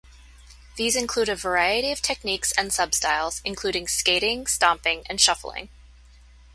These include a variety of techniques and sub-styles, including skating, stomping, and shuffling.